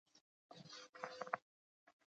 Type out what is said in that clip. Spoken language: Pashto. څېړونکي هم کولای شي له دې ګټه واخلي.